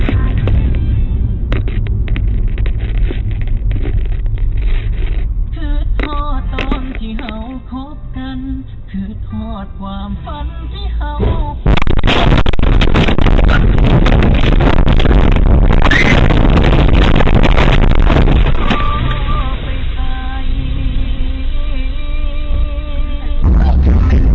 กลับไปทางนี้